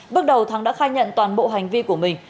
bước đầu thắng đã khai nhận toàn bộ hành vi của mình